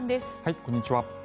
こんにちは。